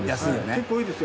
結構多いですよ。